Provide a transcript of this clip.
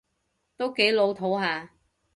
都幾老套吓